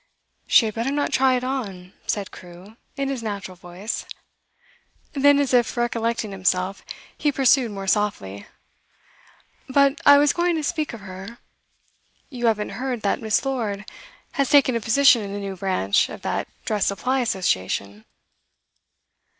'She had better not try it on,' said Crewe, in his natural voice. Then, as if recollecting himself, he pursued more softly: 'But I was going to speak of her. You haven't heard that Miss. Lord has taken a position in the new branch of that Dress Supply Association?